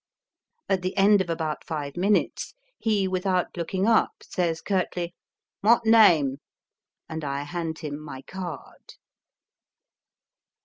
At the end of about five minutes, he, without looking up, says curtly, " What name ?" and I hand him my card.